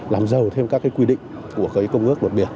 làm giàu thêm các quy định của công ước luật biển